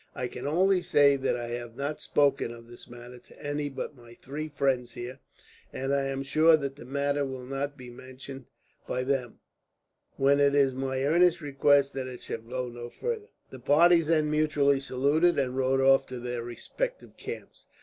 I can only say that I have not spoken of this matter to any but my three friends here, and I am sure that the matter will not be mentioned by them, when it is my earnest request that it shall go no further." The parties then mutually saluted, and rode off to their respective camps.